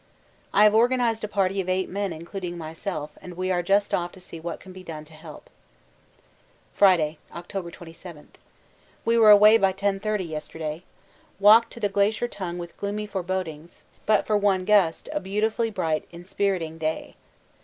I have organised a party of eight men including myself, and we are just off to see what can be done to help. Friday, October 27. We were away by 10.30 yesterday. Walked to the Glacier Tongue with gloomy forebodings; but for one gust a beautifully bright inspiriting day.